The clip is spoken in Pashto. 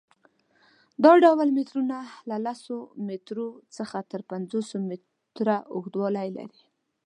دا ډول مترونه له لس مترو څخه تر پنځوس متره اوږدوالی لري.